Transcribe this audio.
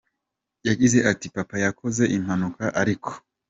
yagize ati, Papa yakoze impanuka ariko.